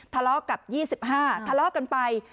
ทะเลาะกับ๒๕ทะเลาะกันไป